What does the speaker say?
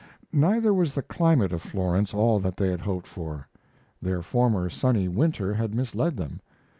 ] Neither was the climate of Florence all that they had hoped for. Their former sunny winter had misled them.